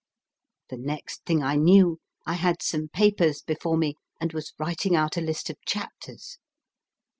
The next thing I knew I had some papers before me and was writing out a list of chapters.